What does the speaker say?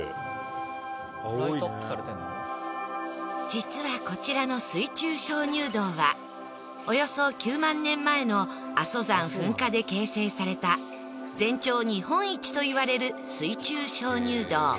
実はこちらの水中鍾乳洞はおよそ９万年前の阿蘇山噴火で形成された全長日本一といわれる水中鍾乳洞。